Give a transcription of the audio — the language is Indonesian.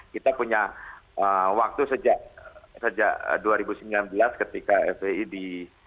kita punya waktu sejak dua ribu sembilan belas ketika fpi di